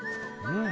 うん？